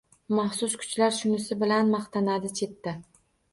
Maxsus kuchlar shunisi bilan maqtanadi, chetda.